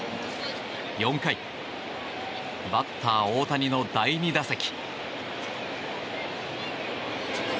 ４回、バッター大谷の第２打席。